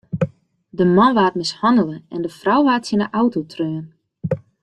De man waard mishannele en de frou waard tsjin de auto treaun.